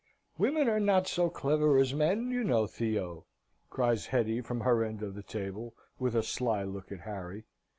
"Women are not so clever as men, you know, Theo," cries Hetty from her end of the table, with a sly look at Harry.